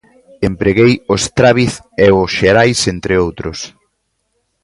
Empreguei o Estraviz e o Xerais entre outros.